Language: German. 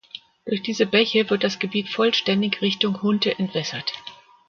Durch diese Bäche wird das Gebiet vollständig Richtung Hunte entwässert.